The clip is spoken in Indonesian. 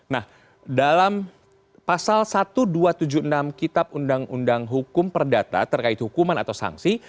nah dalam pasal satu dua ratus tujuh puluh enam kitab undang undang hukum perdata terkait hukuman atau sanksi